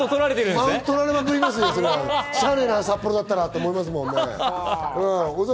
しゃねえなぁ、札幌だったらと思いますもん。